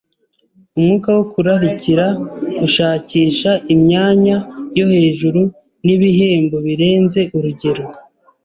Umwuka wo kurarikira, gushakisha imyanya yo hejuru n’ibihembo birenze urugero